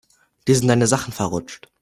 Dir sind deine Sachen verrutscht.